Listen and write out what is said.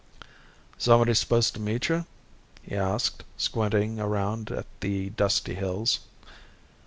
"Somebody supposed to meet you?" he asked, squinting around at the dusty hills.